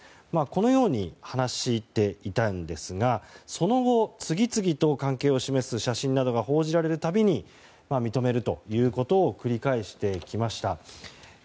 このように話していたんですがその後、次々と関係を示す写真などが報じられるたびに認めるということを繰り返していきました。